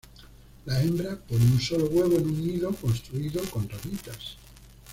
La hembra pone un solo huevo en un nido construido con ramitas.